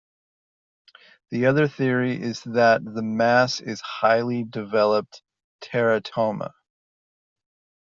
The other theory is that the mass is a highly developed teratoma.